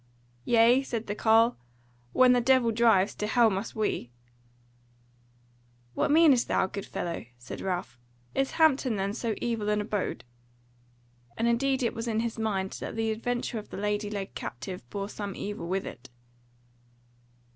"Yea?" said the carle, "when the Devil drives, to hell must we." "What meanest thou, good fellow?" said Ralph, "Is Hampton then so evil an abode?" And indeed it was in his mind that the adventure of the lady led captive bore some evil with it.